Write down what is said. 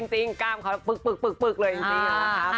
จริงกล้ามเขาปึ๊กเลยจริง